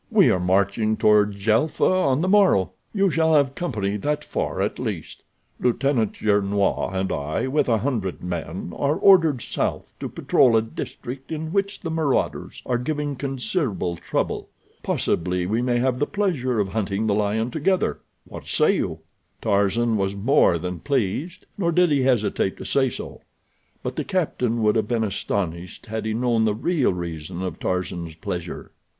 "We are marching toward Djelfa on the morrow. You shall have company that far at least. Lieutenant Gernois and I, with a hundred men, are ordered south to patrol a district in which the marauders are giving considerable trouble. Possibly we may have the pleasure of hunting the lion together—what say you?" Tarzan was more than pleased, nor did he hesitate to say so; but the captain would have been astonished had he known the real reason of Tarzan's pleasure.